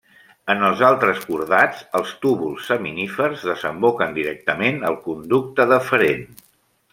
En els altres cordats, els túbuls seminífers desemboquen directament al conducte deferent.